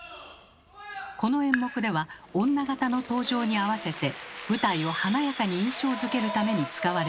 この演目では女形の登場に合わせて舞台を華やかに印象づけるために使われています。